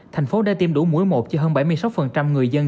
thành phố đã tiêm đủ mũi một cho hơn bảy mươi sáu người dân